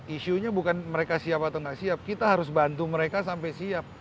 isunya bukan mereka siap atau nggak siap kita harus bantu mereka sampai siap